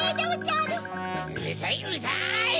うるさいうるさい！